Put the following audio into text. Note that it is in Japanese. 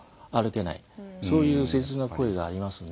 そういう切実な声がありますので。